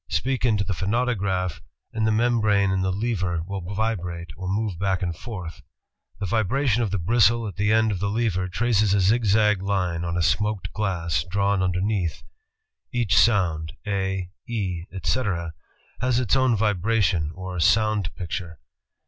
Speak into the phonautograph, and the membrane and lever will vibrate, or move back and forth. The vibra tion of the bristle at the end of the lever traces a zigzag line on a smoked glass drawn underneath. Each soimd, ^^A," ^^E," etc., has its own vibration or soimd picture.